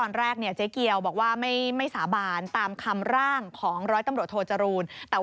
ตอนแรกเนี่ยเจ๊เกียวบอกว่าไม่สาบานตามคำร่างของร้อยตำรวจโทจรูน